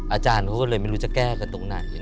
อาจารย์เขาก็เลยไม่รู้จะแก้กันตรงไหน